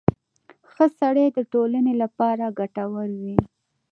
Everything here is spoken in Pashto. • ښه سړی د ټولنې لپاره ګټور وي.